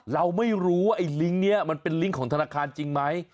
เราไม่รู้ว่าไอ้ลิงก์นี้มันเป็นลิงก์ของธนาคารจริงไหม